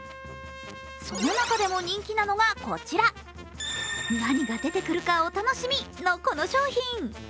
その中でも人気なのがこちら、何が出てくるかお楽しみというこの商品。